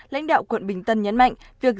lãnh đạo quận bình tân nhấn mạnh việc